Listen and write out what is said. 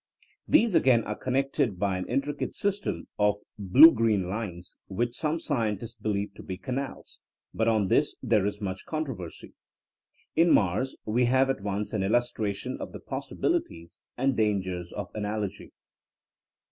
These again are connected by an intricate sys 32 THINKlNa AS A SCIENCE tern of blue green lines, which some scientists believe to be canals, but on this there is much controversy. In Mars we have at once an illus tration of the possibilities and dangers of analogy.